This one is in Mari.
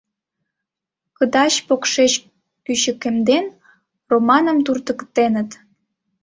— Кыдач-покшеч кӱчыкемден, романым туртыктеныт.